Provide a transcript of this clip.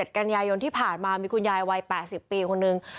กันยายนที่ผ่านมามีคุณยายวัย๘๐ปีคนนึง